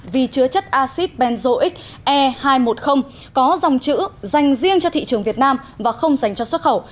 vì chứa chất acid benzoic e hai trăm một mươi có dòng chữ dành riêng cho thị trường việt nam và không dành cho xuất khẩu